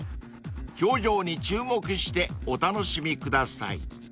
［表情に注目してお楽しみください］